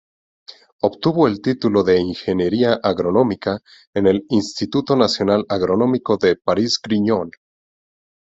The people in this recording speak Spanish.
Obtuvo el título de Ingeniería Agronómica en el "Instituto Nacional Agronómico de París-Grignon".